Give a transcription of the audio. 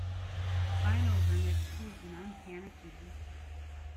Finals are next week and I'm panicking.